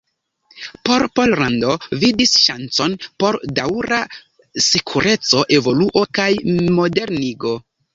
Por Pollando vidis ŝancon por daŭra sekureco, evoluo kaj modernigo.